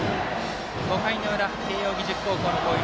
５回の裏、慶応義塾高校の攻撃。